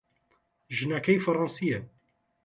ژنەکەی فەڕەنسییە.